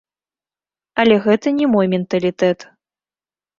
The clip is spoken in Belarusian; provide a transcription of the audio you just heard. Але гэта не мой менталітэт.